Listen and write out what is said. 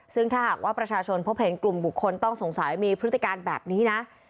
ซึ่งถ้าหากว่าประชาชนพบเห็นกลุ่มบุคคลต้องสงสัยมีพฤติการแบบนี้นะ